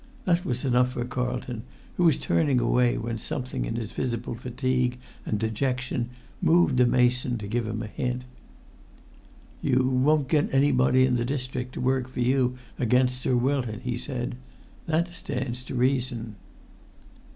That was enough for Carlton, who was turning away when something in his visible fatigue and dejection moved the mason to give him a hint. "You won't get anybody in the district to work for you against Sir Wilton," he said. "That stands to reason."